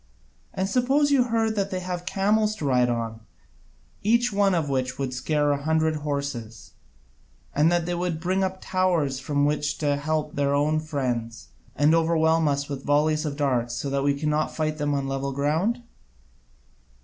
And suppose you heard that they have camels to ride on, each one of which would scare a hundred horses, and that they will bring up towers from which to help their own friends, and overwhelm us with volleys of darts so that we cannot fight them on level ground?